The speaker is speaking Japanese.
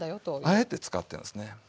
あえて使ってるんですね。